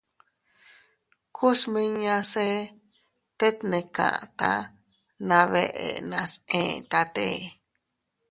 Ku smiñase tet ne kata na beʼe nas etate.